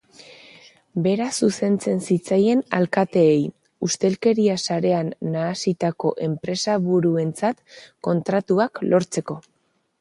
Bera zuzentzen zitzaien alkateei, ustelkeria sarean nahasitako enpresaburuentzat kontratuak lortzeko.